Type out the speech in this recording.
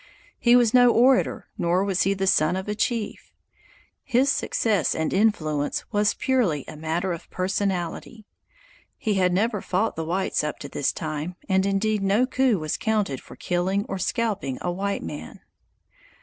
He was no orator nor was he the son of a chief. His success and influence was purely a matter of personality. He had never fought the whites up to this time, and indeed no "coup" was counted for killing or scalping a white man.